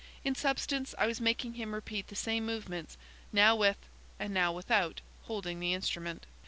In substance I was making him repeat the same movements, now with, and now without, holding the instrument.